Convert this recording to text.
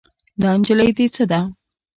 دا نجلۍ دې څه ده؟